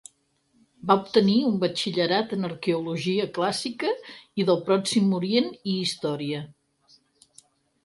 Va obtenir un Batxillerat en Arqueologia Clàssica i del Pròxim Orient i Història.